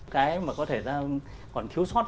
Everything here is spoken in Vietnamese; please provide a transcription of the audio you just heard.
cái mà có thể ra còn khiếu sót